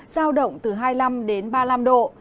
giao động từ hai mươi năm đến ba mươi năm độ